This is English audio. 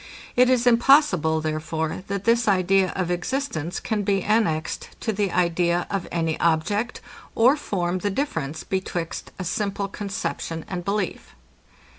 It is impossible, therefore, that this idea of existence can be annexed to the idea of any object, or form the difference betwixt a simple conception and belief.